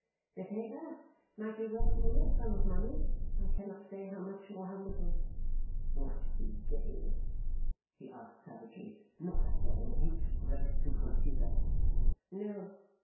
'The paper might be worth, to me, a sum of money. I cannot say how much, or how little.' 'What the Devil!' he asked savagely. 'Not after a week's grace to consider?' 'No!